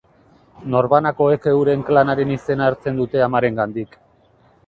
Norbanakoek euren klanaren izena hartzen dute amarengandik.